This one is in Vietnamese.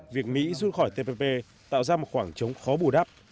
việc mỹ rút khỏi tpp tạo ra một khoảng trống khó bù đắp